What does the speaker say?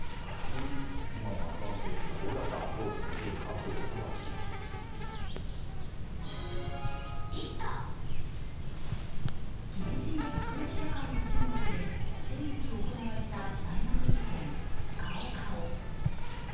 ここに今のマクロン政権がどうアプローチできるかが厳しい学歴社会の中国で先月行われた大学受験、高考。